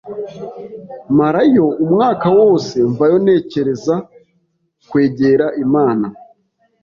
marayo umwaka wose mvayo ntekereza kwegera Imana